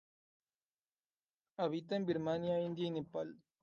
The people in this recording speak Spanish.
Habita en Birmania, India y Nepal.